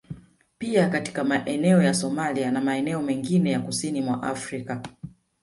Pia katika maeneo ya Somalia na maeneo mengine ya kusini mwa Afrika